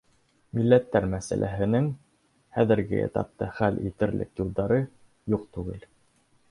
Милләттәр мәсьәләһенең хәҙерге этапта хәл ителерлек юлдары юҡ түгел.